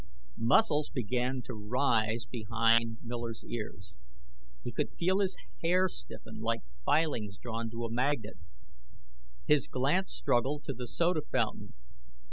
Muscles began to rise behind Miller's ears. He could feel his hair stiffen like filings drawn to a magnet. His glance struggled to the soda fountain.